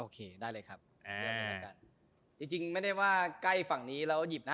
จริงไม่ได้ว่าใกล้ฝั่งนี้แล้วหยิบนะ